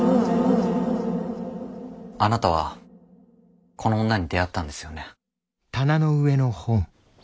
あなたはこの女に出会ったんですよね？